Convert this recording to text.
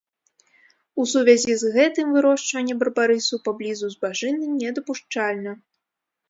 У сувязі з гэтым вырошчванне барбарысу паблізу збажыны недапушчальна.